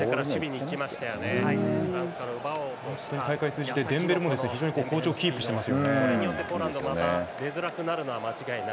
大会通じてデンベレも非常に好調をキープしてますよね。